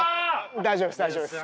大丈夫です大丈夫です。